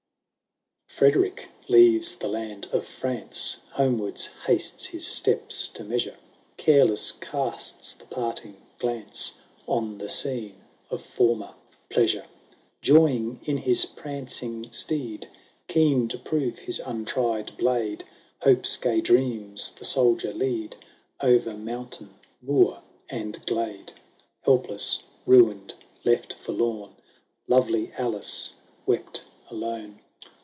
Feederick leaves the land of France, Homewards hastes his steps to measure ; Careless casts the parting glance, On the scene of former pleasure ; Joying in his prancing steed, Keen to prove his untried blade, Hope's gay dreams the soldier lead Over mountain, moor, and glade. Helpless, ruined, left forlorn, Lovely Alice wept alone ; FBEDEEICK AND ALICE.